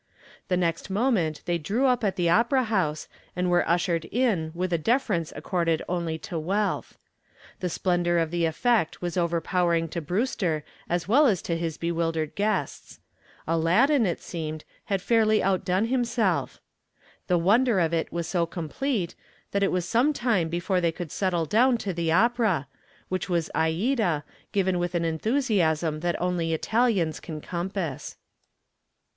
The next moment they drew up at the opera house and were ushered in with a deference accorded only to wealth. The splendor of the effect was overpowering to Brewster as well as to his bewildered guests. Aladdin, it seemed, had fairly outdone himself. The wonder of it was so complete that it was some time before they could settle down to the opera, which was Aida, given with an enthusiasm that only Italians can compass.